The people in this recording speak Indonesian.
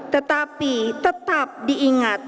tetapi tetap diingat